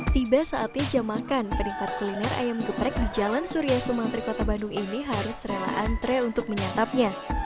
tiba saatnya jam makan penikmat kuliner ayam geprek di jalan surya sumantri kota bandung ini harus rela antre untuk menyatapnya